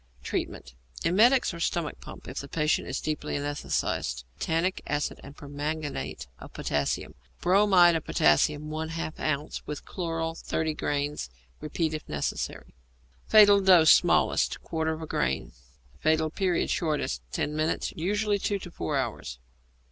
Treatment. Emetics or stomach pump if the patient is deeply anæsthetized. Tannic acid and permanganate of potassium. Bromide of potassium 1/2 ounce with chloral 30 grains, repeated if necessary. Fatal Dose (Smallest). Quarter of a grain. Fatal Period (Shortest). Ten minutes; usually two to four hours.